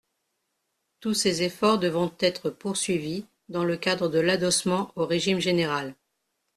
Tous ces efforts devront être poursuivis dans le cadre de l’adossement au régime général.